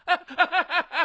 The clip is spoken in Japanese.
ハハハハハ。